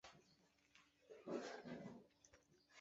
莫里斯是亲卫队中少数的成员。